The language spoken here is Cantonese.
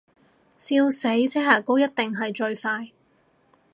笑死，遮瑕膏一定係最快